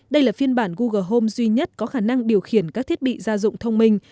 đây là phiên bản google home duy nhất có khả năng điều khiển các thiết bị gia dụng thông minh